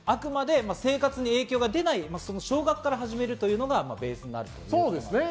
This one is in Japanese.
あくまで生活に影響が出ない少額から始めるのがベースということですね。